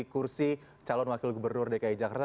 kursi calon wakil gubernur dki jakarta